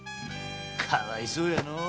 かわいそうやのぉ。